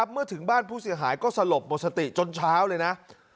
เมื่อถึงบ้านผู้เสียหายก็สลบหมดสติจนเช้าเลยนะ